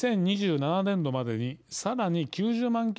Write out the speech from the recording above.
２０２７年度までにさらに９０万